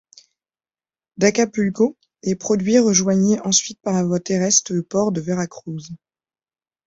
D'Acapulco, les produits rejoignaient ensuite par voie terrestre le port de Veracruz.